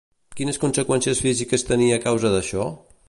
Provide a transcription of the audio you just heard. Quines conseqüències físiques tenia a causa d'això?